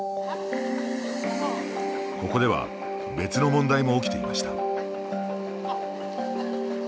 ここでは別の問題も起きていました。